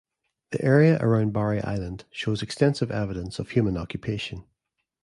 The area around Barry Island shows extensive evidence of human occupation.